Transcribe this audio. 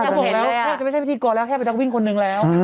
แต่เห็นเลยอ่ะไม่ใช่วิธีกรแล้วแค่ไปต้องวิ่งคนหนึ่งแล้ว